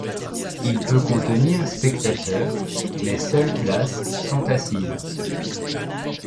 Il peut contenir spectateurs mais seules places sont assises.